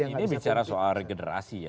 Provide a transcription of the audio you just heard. ini bicara soal regenerasi ya